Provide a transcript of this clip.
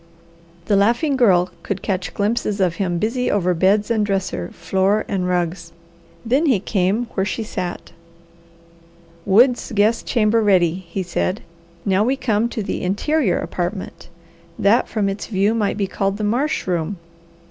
The laughing Girl could catch glimpses of him busy over beds and dresser, floor and rugs; then he came where she sat. "Woods guest chamber ready," he said. "Now we come to the interior apartment, that from its view might be called the marsh room.